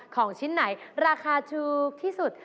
ของชิ้นไหนราคาถูกที่สุด